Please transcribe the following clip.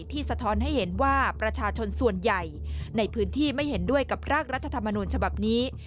สะท้อนให้เห็นว่าประชาชนส่วนใหญ่ในพื้นที่ไม่เห็นด้วยกับร่างรัฐธรรมนูญฉบับนี้